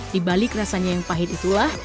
di balik rasanya yang pahit itulah